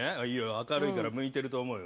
明るいから向いてると思うよ。